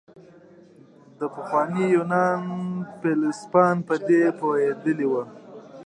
د پخواني يونان فيلسوفان په دې پوهېدلي وو.